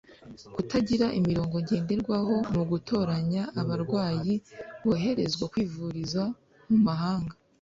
Kutagira imirongo ngenderwaho mu gutoranya abarwayi boherezwa kwivuriza mu mahanga